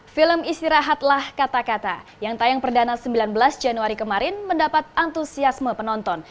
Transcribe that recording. film istirahatlah kata kata yang tayang perdana sembilan belas januari kemarin mendapat antusiasme penonton